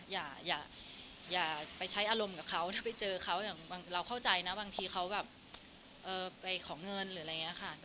อย่าไปใช้อารมณ์กับเขาถ้าไปเจอเขาอย่างเราเข้าใจนะบางทีเขาแบบไปขอเงินหรืออะไรอย่างนี้ค่ะ